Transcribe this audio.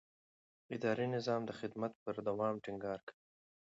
اداري نظام د خدمت پر دوام ټینګار کوي.